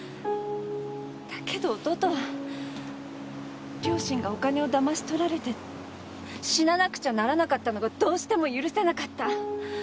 だけど弟は両親がお金をだまし取られて死ななくちゃならなかったのがどうしても許せなかった。